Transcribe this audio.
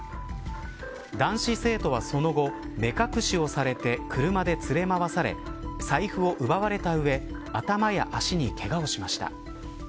男子生徒はその後目隠しをされて車で連れ回され財布を奪われた上頭や足に、けがをしました。